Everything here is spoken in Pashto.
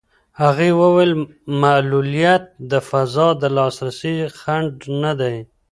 هغې وویل معلولیت د فضا د لاسرسي خنډ نه دی.